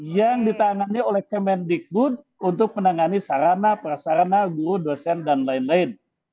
yang ditanggung oleh kementerian pendidikan untuk menangani sarana persarana guru dosen dan lain lain